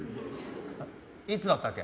いつだったっけ？